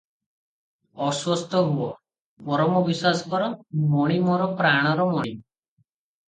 ଆଶ୍ୱସ୍ତହୁଅ; ପରମ ବିଶ୍ୱାସ କର, ମଣି ମୋର ପ୍ରାଣର ମଣି ।"